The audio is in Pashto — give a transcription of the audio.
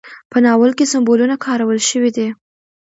په ناول کې سمبولونه کارول شوي دي.